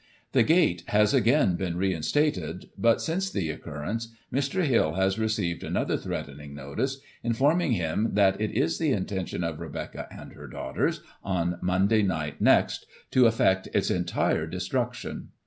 The gate has again been re instated ; but, since the occurrence, Mr. Hill has re ceived another threatening notice, informing him that it is the intention of Rebecca and her daughters, on Monday night next, to effect its entire destruction.